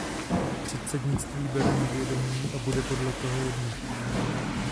Předsednictví bere na vědomí a bude podle toho jednat.